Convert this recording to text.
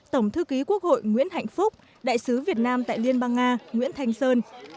tổng thư ký quốc hội nguyễn hạnh phúc đại sứ việt nam tại liên bang nga nguyễn thanh sơn